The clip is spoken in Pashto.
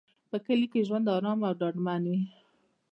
په کلي کې ژوند ارام او ډاډمن وي.